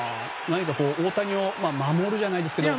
大谷を守るじゃないですけど。